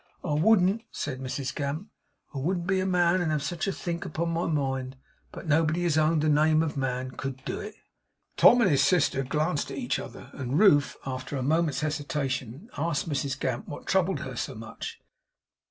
'I wouldn't,' said Mrs Gamp, 'I wouldn't be a man and have such a think upon my mind! but nobody as owned the name of man, could do it!' Tom and his sister glanced at each other; and Ruth, after a moment's hesitation, asked Mrs Gamp what troubled her so much.